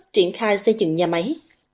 triển khai xây dựng nhà máy